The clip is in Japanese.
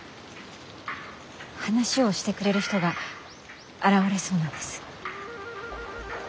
話をしてくれる人が現れそうなんです。